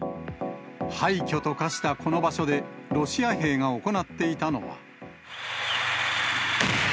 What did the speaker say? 廃虚と化したこの場所でロシア兵が行っていたのは。